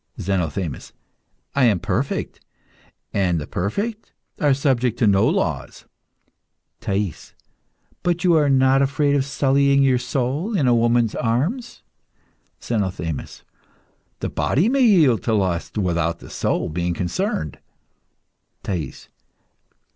ZENOTHEMIS. I am perfect, and the perfect are subject to no laws. THAIS. But are you not afraid of sullying your soul in a woman's arms? ZENOTHEMIS. The body may yield to lust without the soul being concerned. THAIS.